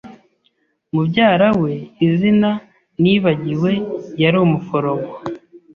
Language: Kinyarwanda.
Mubyara we, izina nibagiwe, yari umuforomo.